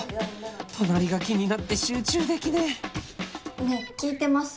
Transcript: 隣が気になって集中できねえねぇ聞いてます？